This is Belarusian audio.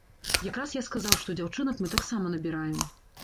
Якраз я сказаў, што дзяўчынак мы таксама набіраем.